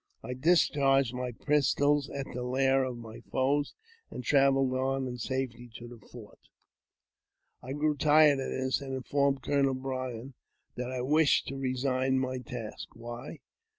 I discharged my pistols at the lair of"" my foes, and travelled on in safety to the fort. I grew tired of this, and informed Colonel Bryant that I wished to resign my task. ''Why?''